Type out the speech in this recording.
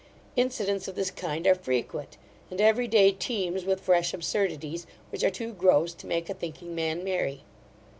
Incidents of this kind are frequent; and every day teems with fresh absurdities, which are too gross to make a thinking man merry.